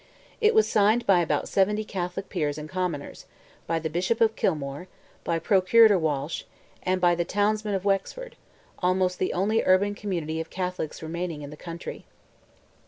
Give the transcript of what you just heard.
It was signed by about seventy Catholic peers and commoners, by the Bishop of Kilmore, by Procurator Walsh, and by the townsmen of Wexford—almost the only urban community of Catholics remaining in the country.